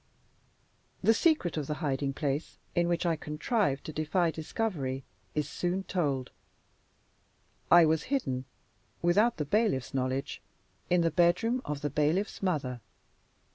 The secret of the hiding place in which I contrived to defy discovery is soon told. I was hidden (without the bailiff's knowledge) in the bedroom of the bailiff's mother.